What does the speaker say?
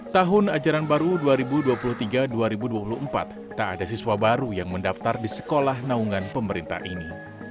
tahun ajaran baru dua ribu dua puluh tiga dua ribu dua puluh empat tak ada siswa baru yang mendaftar di sekolah naungan pemerintah ini